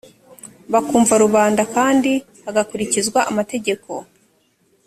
bakumva rubanda kandi hagakurikizwa amategeko